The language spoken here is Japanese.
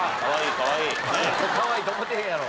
かわいいと思ってへんやろ。